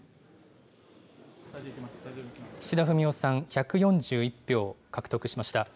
岸田文雄さん１４１票獲得しました。